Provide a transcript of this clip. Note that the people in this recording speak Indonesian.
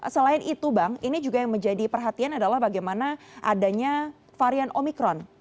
selain itu bang ini juga yang menjadi perhatian adalah bagaimana adanya varian omikron